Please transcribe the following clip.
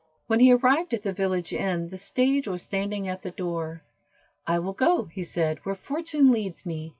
When he arrived at the village inn the stage was standing at the door. "I will go," he said, "where fortune leads me."